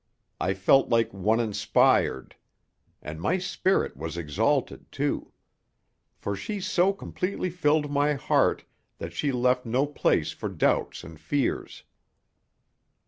I felt like one inspired. And my spirit was exalted, too. For she so completely filled my heart that she left no place for doubts and fears.